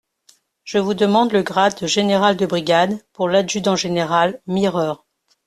Je vous demande le grade de général de brigade pour l'adjudant-général Mireur.